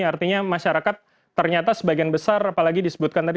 artinya masyarakat ternyata sebagian besar apalagi disebutkan tadi